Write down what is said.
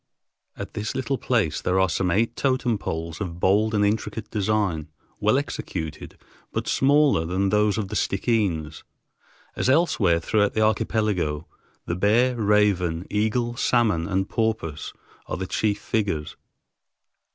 At this little place there are some eight totem poles of bold and intricate design, well executed, but smaller than those of the Stickeens. As elsewhere throughout the archipelago, the bear, raven, eagle, salmon, and porpoise are the chief figures.